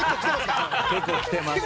結構きてます。